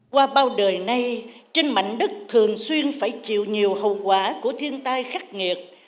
qua bao đời nay trên mảnh đất thường xuyên phải chịu nhiều hậu quả của thiên tai khắc nghiệt